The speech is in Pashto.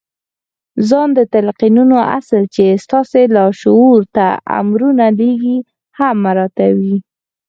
ځان ته د تلقينولو اصل چې ستاسې لاشعور ته امرونه لېږي هم مراعتوئ.